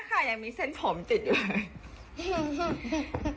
นี่นะคะยังมีเส้นผมติดอยู่